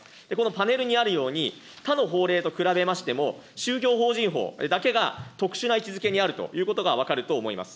このパネルにあるように、他の法令と比べましても、宗教法人法だけが特殊な位置づけにあるということが分かると思います。